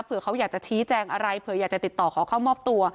เขาอยากจะชี้แจงอะไรเผื่ออยากจะติดต่อขอเข้ามอบตัว